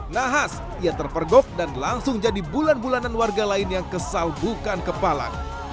nahas ia terpergok dan langsung jadi bulan bulanan warga lain yang kesal bukan kepala